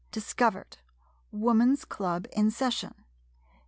Discovered — Woman's Club in session.